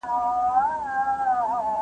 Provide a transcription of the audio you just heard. کېدای سي مځکه وچه وي،